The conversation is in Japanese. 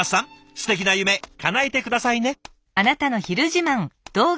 すてきな夢かなえて下さいね。